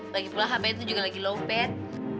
lagipula hpnya tuh juga lagi low pad